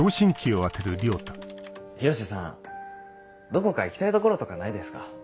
広瀬さんどこか行きたい所とかないですか？